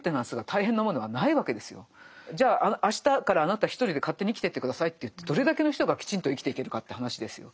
じゃああしたからあなた一人で勝手に生きてって下さいといってどれだけの人がきちんと生きていけるかって話ですよ。